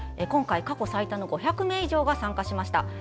今回、過去最多の５００名以上が参加しました。